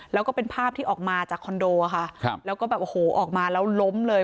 แล้วก็เป็นภาพที่ออกมาจากคอนโดค่ะแล้วก็ออกมาแล้วล้มเลย